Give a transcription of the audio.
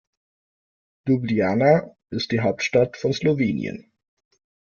Ljubljana ist die Hauptstadt von Slowenien.